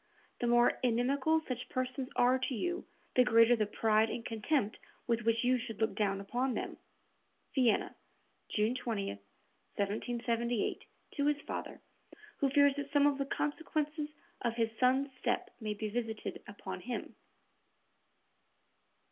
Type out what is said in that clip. The more inimical such persons are to you the greater the pride and contempt with which you should look down upon them." (Vienna, June 20, 1778, to his father, who fears that some of the consequences of his son's step may be visited upon him.)